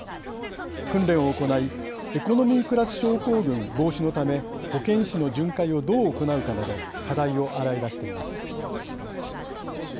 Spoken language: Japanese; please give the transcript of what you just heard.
訓練を行いエコノミークラス症候群防止のため保健師の巡回をどう行うかなど課題を洗い出しています。